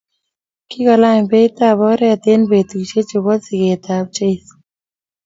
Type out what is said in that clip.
Kokolany beit ab oret eng betusiechu bo sigetab Jeiso